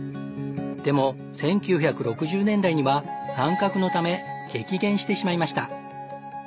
でも１９６０年代には乱獲のため激減してしまいました。